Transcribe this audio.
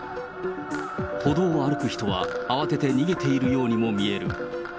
歩道を歩く人は慌てて逃げているようにも見える。